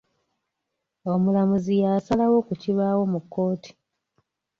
Omulamuzi y'asalawo ku kibaawo mu kkooti.